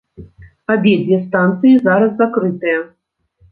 Абедзве станцыі зараз закрытыя.